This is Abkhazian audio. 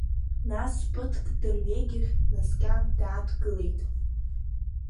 Нас ԥыҭк дырҩегьых днаскьан, дааҭгылеит.